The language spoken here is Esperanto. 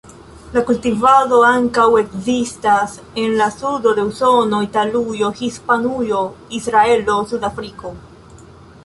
La kultivado ankaŭ ekzistas en la sudo de Usono, Italujo, Hispanujo, Israelo, Sudafriko.